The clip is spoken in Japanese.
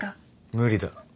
無理だ。